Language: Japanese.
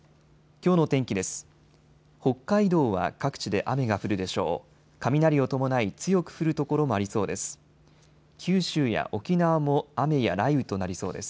きょうの天気です。